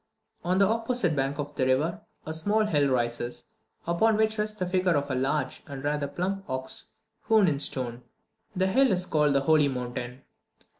On the opposite bank of the river, a small hill rises, upon which rests the figure of a large and rather plump ox hewn in stone. This hill is called the "holy mountain."